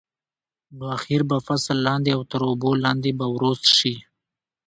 نو اخر به فصل لاندې او تر اوبو لاندې به وروست شي.